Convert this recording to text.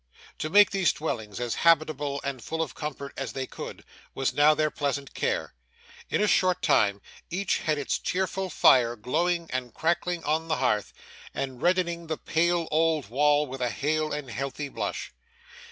To make these dwellings as habitable and full of comfort as they could, was now their pleasant care. In a short time, each had its cheerful fire glowing and crackling on the hearth, and reddening the pale old wall with a hale and healthy blush.